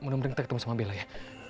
menunggu nunggu kita ketemu sama bilo ya